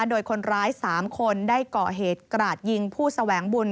โดยคนร้าย๓คนได้ก่อเหตุกราดยิงผู้แสวงบุญ